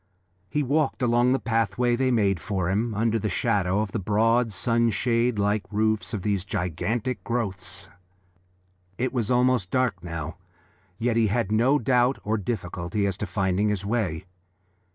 He walked along the pathway they made for him, under the shadow of the broad, sunshade like roofs of these gigantic growths. It was almost dark now, yet he had no doubt or difficulty as to finding his way.